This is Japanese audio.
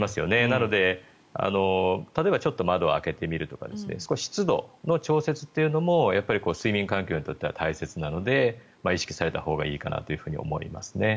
なので、例えばちょっと窓を開けてみるとか少し湿度の調節というのも睡眠環境にとっては大切なので、意識されたほうがいいかなと思いますね。